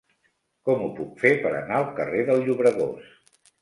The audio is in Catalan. Com ho puc fer per anar al carrer del Llobregós?